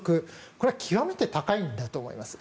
これは極めて高いんだと思います。